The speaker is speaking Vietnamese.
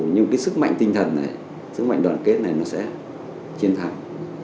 nhưng cái sức mạnh tinh thần ấy sức mạnh đoàn kết này nó sẽ chiến thắng